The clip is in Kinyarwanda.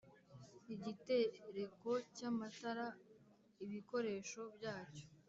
igitereko cy amatara ibikoresho byacyo